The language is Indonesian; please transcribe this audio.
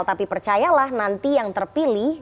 tapi percayalah nanti yang terpilih